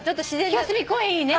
清澄公園いいね。